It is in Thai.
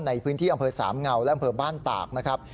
ในพื้นที่อำเภอสามเงาและอำเภอบ้านตากนะครับ